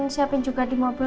siapin juga di mobil